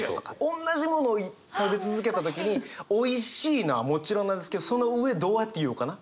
おんなじものを食べ続けた時においしいのはもちろんなんですけどその上どうやって言おうかな？